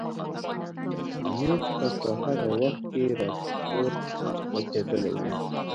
امیر ته په هغه وخت کې راپور رسېدلی وو.